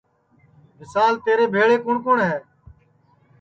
وشال تیرے بھیݪے کُوٹؔ کُوٹؔ ہے